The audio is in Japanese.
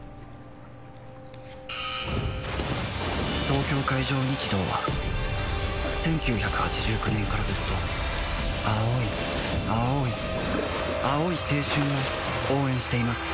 東京海上日動は１９８９年からずっと青い青い青い青春を応援しています